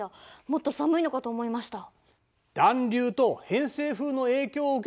もっと寒いのかと思いました。